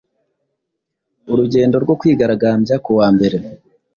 urugendo rwo kwigaragambya ku wa mbere